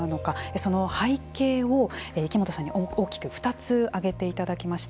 その背景を池本さんに大きく２つ挙げていただきました。